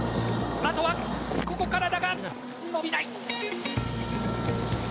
あとはここからだが伸びない。